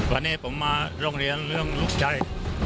มีวันนี้ผมมาลงเรียนเรื่องลูกใจ